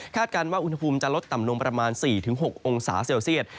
การว่าอุณหภูมิจะลดต่ำลงประมาณ๔๖องศาเซลเซียต